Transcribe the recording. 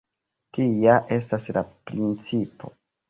Tia estas la principo.